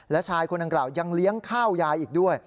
และชายคนดังกล่าวยังเลี้ยงข้าวยายอีกด้วย